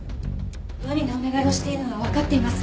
無理なお願いをしているのは分かっています。